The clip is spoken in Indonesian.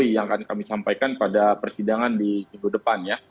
yang akan kami sampaikan pada persidangan di minggu depan ya